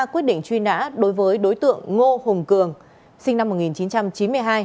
quyết định truy nã đối với đối tượng ngô hùng cường sinh năm một nghìn chín trăm chín mươi hai